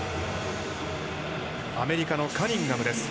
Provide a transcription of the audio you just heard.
アメリカのカニンガムです。